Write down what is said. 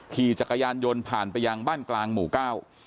ขี่จักรยานยนต์ผ่านไปยังบ้านกลางหมู่เก้า